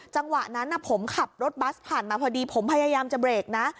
จังหวะนั้นผมขับรถบัสผ่านมาพอดีผมพยายามจะเบรกนะ